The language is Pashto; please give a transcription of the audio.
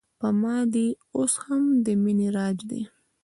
په ما دې اوس هم د مینې راج دی